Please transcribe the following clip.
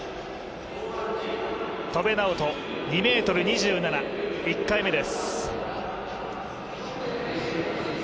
戸邉直人、２ｍ２７、１回目です。